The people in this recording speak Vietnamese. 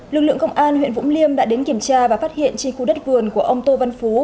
lực lượng công an huyện vũng liêm đã đến kiểm tra và phát hiện trên khu đất vườn của ông tô văn phú